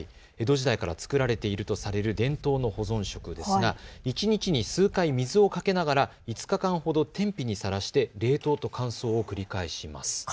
江戸時代から作られているとされる伝統の保存食ですが一日に数回水をかけながら５日間ほど天日にさらして冷凍と乾燥を繰り返します。